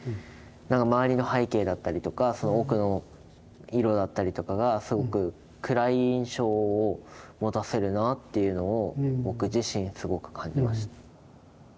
周りの背景だったりとか奥の色だったりとかがすごく暗い印象を持たせるなっていうのを僕自身すごく感じました。